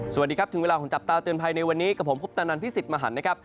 สวัสดีครับถึงเวลาของจับตาเตือนภัยในวันนี้กับผมคุปตนันพิสิทธิ์มหันนะครับ